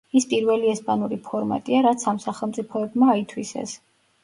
ის პირველი ესპანური ფორმატია, რაც ამ სახელმწიფოებმა აითვისეს.